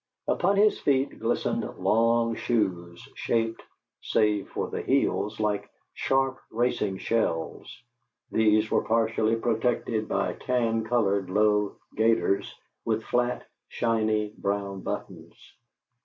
Upon his feet glistened long shoes, shaped, save for the heels, like sharp racing shells; these were partially protected by tan colored low gaiters with flat, shiny, brown buttons.